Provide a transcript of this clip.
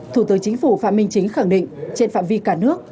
thủ tướng chính phủ phạm minh chính khẳng định trên phạm vi cả nước